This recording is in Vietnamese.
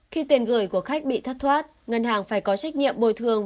khi tiền gửi của khách bị thất thoát ngân hàng phải có trách nhiệm bồi thường